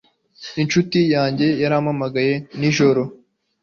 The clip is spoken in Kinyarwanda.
Inshuti yanjye yarampamagaye nijoro.